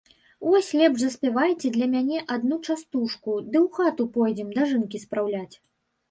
Вось лепш заспявайце для мяне адну частушку, ды ў хату пойдзем дажынкі спраўляць.